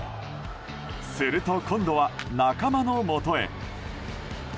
すると今度は、仲間の元へ。